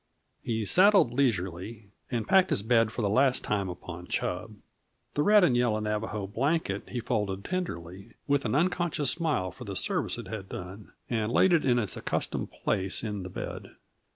He saddled leisurely, and packed his bed for the last time upon Chub. The red and yellow Navajo blanket he folded tenderly, with an unconscious smile for the service it had done, and laid it in its accustomed place in the bed.